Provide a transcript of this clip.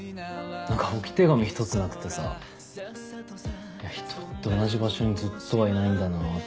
何か置き手紙一つなくてさ人って同じ場所にずっとはいないんだなって思った。